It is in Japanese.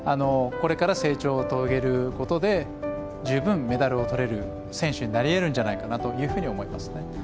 これから成長を遂げることで十分にメダルをとれる選手になり得るんじゃないかなと思いますね。